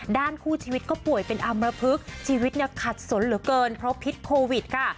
คู่ชีวิตก็ป่วยเป็นอามพลึกชีวิตเนี่ยขัดสนเหลือเกินเพราะพิษโควิดค่ะ